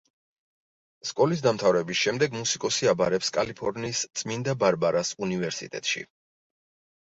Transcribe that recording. სკოლის დამთავრების შემდეგ მუსიკოსი აბარებს კალიფორნიის წმინდა ბარბარას უნივერსიტეტში.